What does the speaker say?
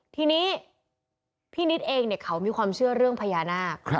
ทีนี้พี่นิดเองเขามีความเชื่อเรื่องพญานาค